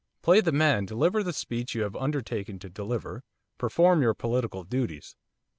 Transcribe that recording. Play the man, deliver the speech you have undertaken to deliver, perform your political duties.